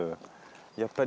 やっぱり。